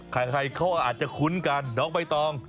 ใครเขาอาจจะคุ้นกันน้องใบตอง